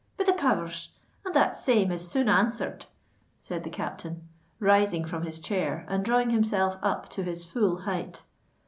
"Be the powers! and that same is soon answered," said the captain, rising from his chair and drawing himself up to his full height.